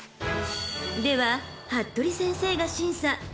［では服部先生が審査。